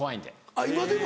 あっ今でも。